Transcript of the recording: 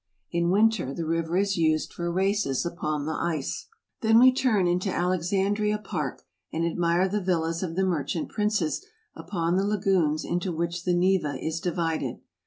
In winter the river is used for races upon the ice. Then we turn into Alexandria Park, and admire the villas of the merchant princes upon the lagoons into which the Neva is divided.